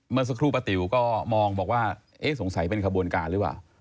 เมื่อสักครู่ป้าติ๋วก็มองบอกว่าเอ๊ะสงสัยเป็นขบวนการหรือเปล่า